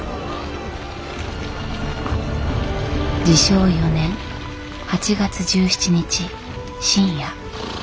治承４年８月１７日深夜。